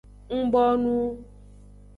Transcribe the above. Ng bonu.